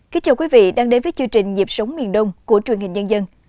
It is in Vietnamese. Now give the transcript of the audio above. kính chào quý vị đang đến với chương trình nhịp sống miền đông của truyền hình nhân dân